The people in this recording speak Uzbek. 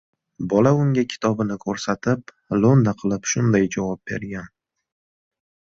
Bola unga kitobini ko‘rsatib, lo‘nda qilib shunday javob bergan